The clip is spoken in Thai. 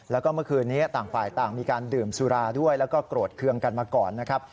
แล้วก็เมื่อคืนนี้ต่างฝ่ายต่างมีการดื่มสุราด้วยแล้วก็โกรธเคืองกันมาก่อนนะครับ